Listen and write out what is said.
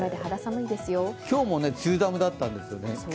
今日も梅雨寒だったんですよね。